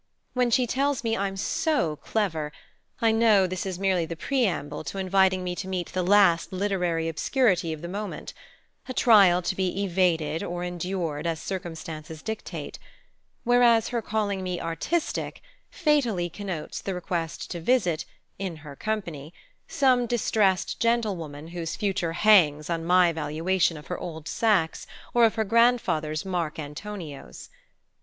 When she tells me I'm so clever I know this is merely the preamble to inviting me to meet the last literary obscurity of the moment: a trial to be evaded or endured, as circumstances dictate; whereas her calling me artistic fatally connotes the request to visit, in her company, some distressed gentlewoman whose future hangs on my valuation of her old Saxe or of her grandfather's Marc Antonios.